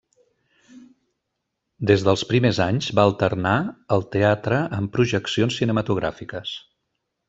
Des dels primers anys, va alternar el teatre amb projeccions cinematogràfiques.